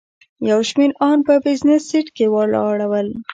یو شمېر ان په بزنس سیټ کې واړول.